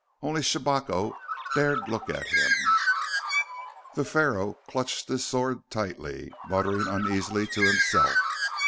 Only Shabako dared look at him. The Pharaoh clutched his sword tightly, muttering uneasily to himself.